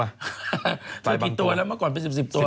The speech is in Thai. เจอตายบางตัวแล้วเมื่อก่อนสิบตัว